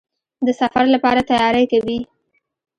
د سفر لپاره تیاری کوئ؟